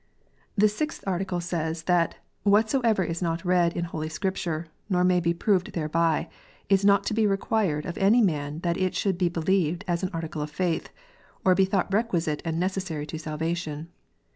The Sixth Article says, that " What soever is not read in Holy Scripture, nor may be proved thereby, is not to be required of any man that it should be believed as an article of the faith, or be thought requisite and necessary to salvation."